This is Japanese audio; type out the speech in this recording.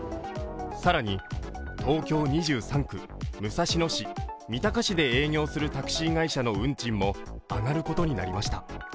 更に、東京２３区、武蔵野市・三鷹市で営業するタクシー会社の運賃も上がることになりました。